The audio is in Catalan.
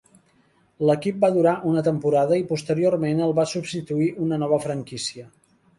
L'equip va durar una temporada i, posteriorment, el va substituir una nova franquícia.